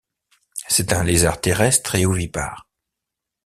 C'est un lézard terrestre et ovipare.